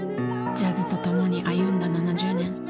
ジャズとともに歩んだ７０年。